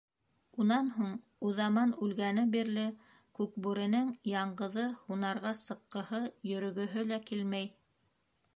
Унан һуң, Уҙаман үлгәне бирле Күкбүренең яңғыҙы һунарға сыҡҡыһы, йөрөгөһө лә килмәй.